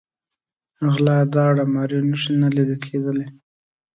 غلا، داړه ماریو نښې نه لیده کېدلې.